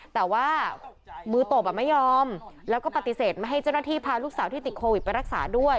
แต่ว่ามือตบไม่ยอมแล้วก็ปฏิเสธไม่ให้เจ้าหน้าที่พาลูกสาวที่ติดโควิดไปรักษาด้วย